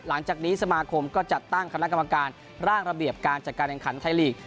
หลังจากนี้สมาคมก็จัดตั้งคณะกรรมการร่างระเบียบการจัดการแห่งขันไทยลีก